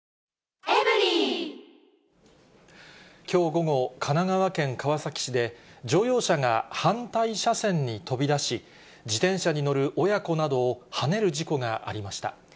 きょう午後、神奈川県川崎市で、乗用車が反対車線に飛び出し、自転車に乗る親子などをはねる事故がありました。